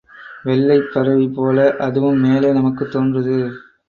வெள்ளைப் பறவை போலே அதுவும் மேலே நமக்குத் தோன்றுது.